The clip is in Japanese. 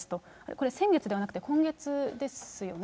これ、先月ではなくて今月ですよね。